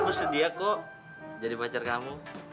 bersedia kok jadi pacar kamu